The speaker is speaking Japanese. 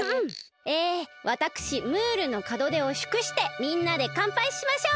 えわたくしムールのかどでをしゅくしてみんなでかんぱいしましょう！